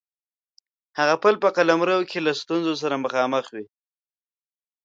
هغه په خپل قلمرو کې له ستونزو سره مخامخ وي.